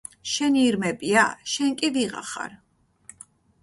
შენი ირმებია? შენ კი ვიღა ხარ?